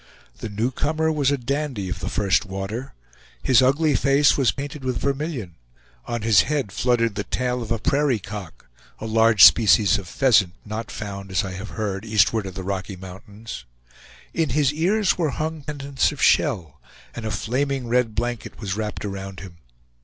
The newcomer was a dandy of the first water. His ugly face was painted with vermilion; on his head fluttered the tail of a prairie cock (a large species of pheasant, not found, as I have heard, eastward of the Rocky Mountains); in his ears were hung pendants of shell, and a flaming red blanket was wrapped around him.